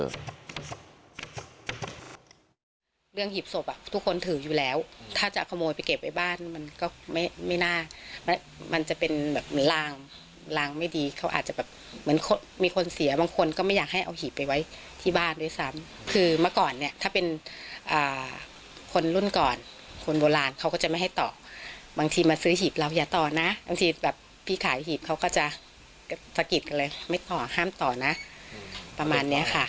เรื่องหีบศพอ่ะทุกคนถืออยู่แล้วถ้าจะขโมยไปเก็บไว้บ้านมันก็ไม่ไม่น่ามันจะเป็นแบบเหมือนลางลางไม่ดีเขาอาจจะแบบเหมือนมีคนเสียบางคนก็ไม่อยากให้เอาหีบไปไว้ที่บ้านด้วยซ้ำคือเมื่อก่อนเนี่ยถ้าเป็นคนรุ่นก่อนคนโบราณเขาก็จะไม่ให้ต่อบางทีมาซื้อหีบเราอย่าต่อนะบางทีแบบพี่ขายหีบเขาก็จะสะกิดกันเลยไม่ต่อห้ามต่อนะประมาณเนี้ยค่ะ